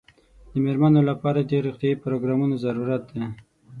د مېرمنو لپاره د روغتیايي پروګرامونو ضرورت دی.